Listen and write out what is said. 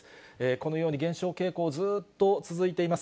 このように減少傾向、ずっと続いています。